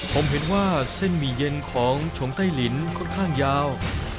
ผมเห็นว่าเส้นหมี่เย็นของชงไต้ลินค่อนข้างยาว